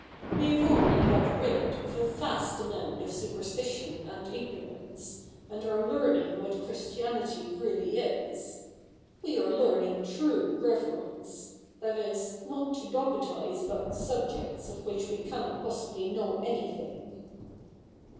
We have already got rid of a vast amount of superstition and ignorance, and are learning what Christianity really is. We are learning true reverence — that is, not to dogmatise about subjects of which we cannot possibly know any thing.'